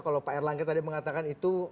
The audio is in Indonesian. kalau pak erlangga tadi mengatakan itu